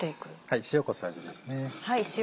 はい塩小さじですね。